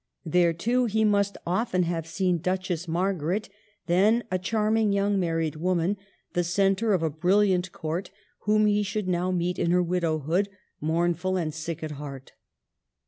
There, too, he must often have seen Duchess Margaret, then a charming young married woman, the centre of a brilliant court, whom he should now meet in her widowhood, mournful and sick at heart.